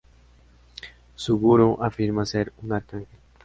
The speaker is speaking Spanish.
Suguru afirma ser un arcángel.